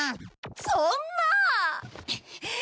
そんな！